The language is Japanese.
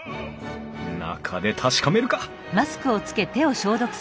中で確かめるか